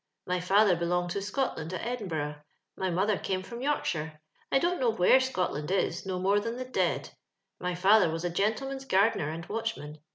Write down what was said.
My father be longed to Scotland, at Edinboro'. My mother came from Yorksliire. I don't know where Scotland is no more than tho dead. My father was a gentleman's gardener and watchman.